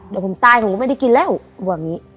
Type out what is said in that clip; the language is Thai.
เดี๋ยวผมตายผมก็ไม่ได้กินแล้ว